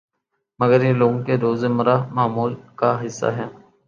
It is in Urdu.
مگر یہ لوگوں کے روزمرہ معمول کا حصہ ہے